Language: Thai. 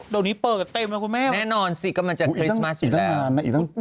เดี๋ยวนี้เปิดเต็มแล้วคุณแม่แน่นอนสิกำลังจะคริสต์มัสอยู่แล้ว